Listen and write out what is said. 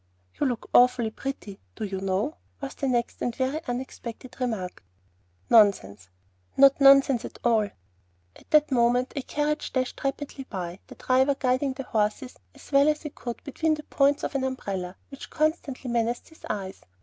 "You look awfully pretty, do you know?" was the next and very unexpected remark. "Nonsense." "Not nonsense at all." At that moment a carriage dashed rapidly by, the driver guiding the horses as well as he could between the points of an umbrella, which constantly menaced his eyes.